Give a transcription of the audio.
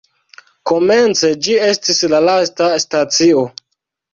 Komence ĝi estis la lasta stacio.